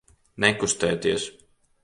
Nekustēties!